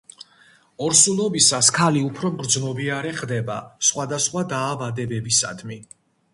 ორსულობისას ქალი უფრო მგრძნობიარე ხდება სხვადასხვა დაავადებებისადმი.